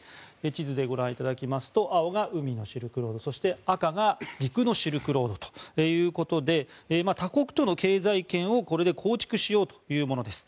地図でご覧いただきますと青が海のシルクロードそして赤が陸のシルクロードということで他国との経済圏を、これで構築しようというものです。